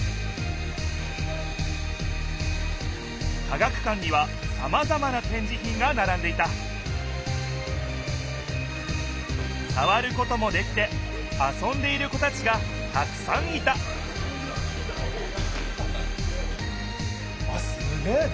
科学館にはさまざまなてんじひんがならんでいたさわることもできてあそんでいる子たちがたくさんいたあっすげえ！